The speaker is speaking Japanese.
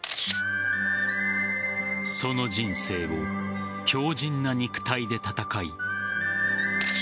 その人生を強靱な肉体で戦い